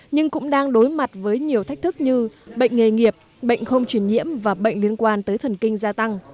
nhưng cũng đang đối mặt với nhiều thách thức như bệnh nghề nghiệp bệnh không chuyển nhiễm và bệnh liên quan tới thần kinh gia tăng